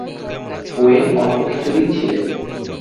When অল্প কিছু দিন ছিলেন।